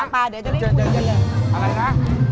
ป่าเดี๋ยวจะได้คุยเอง